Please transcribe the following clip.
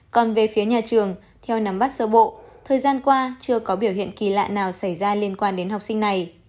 còn về phía nhà trường theo nắm bắt sơ bộ thời gian qua chưa có biểu hiện kỳ lạ nào xảy ra liên quan đến học sinh này